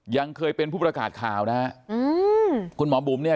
ยังเคยเป็นผู้ประกาศข่าวนะฮะอืมคุณหมอบุ๋มเนี่ย